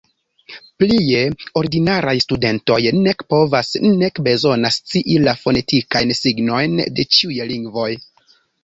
Plie, ordinaraj studentoj nek povas, nek bezonas scii la fonetikajn signojn de ĉiuj lingvoj.